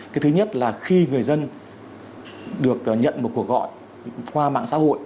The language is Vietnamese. cái thứ nhất là khi người dân được nhận một cuộc gọi qua mạng xã hội